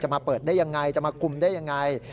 มาเปิดได้ยังไงจะมาคุมได้ยังไง